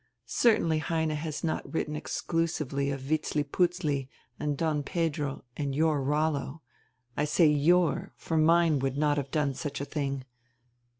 Certainly Heine has not written exclusively of Vitzliputzli and Don Pedro and your Rollo. I say your, for mine would not have done such a thing.